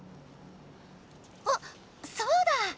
あっそうだ！